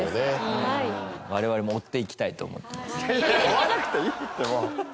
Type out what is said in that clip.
追わなくていいってもう。